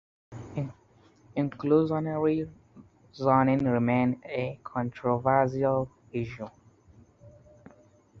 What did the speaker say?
Inclusionary zoning remains a controversial issue.